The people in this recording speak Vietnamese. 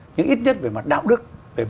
nhưng ít nhất về mặt đạo đức